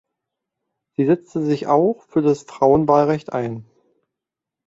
Sie setzte sich auch für das Frauenwahlrecht ein.